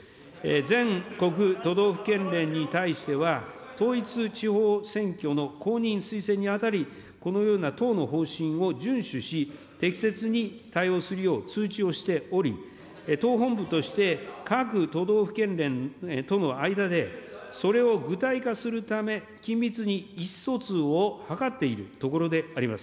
全国都道府県連に対しては、統一地方選挙の公認・推薦にあたり、このような党の方針を順守し、適切に対応するよう、通知をしており、党本部として、各都道府県連との間で、それを具体化するため、緊密に意思疎通を図っているところであります。